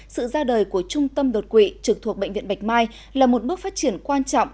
sự ra đời của trung tâm đột quỵ trực thuộc bệnh viện bạch mai là một bước phát triển quan trọng